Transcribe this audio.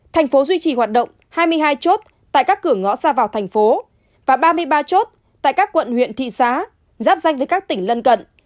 thành phố duy trì hoạt động hai mươi hai chốt tại các cửa ngõ ra vào thành phố và ba mươi ba chốt tại các quận huyện thị xã giáp danh với các tỉnh lân cận